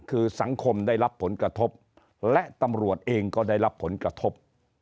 คือสังคมได้รับผลกระทบและตำรวจเองก็ได้รับผลกระทบ